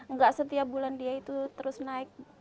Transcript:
nggak setiap bulan dia itu terus naik berat badannya